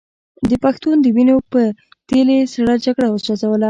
د پښتون د وینو په تېل یې سړه جګړه وسوځوله.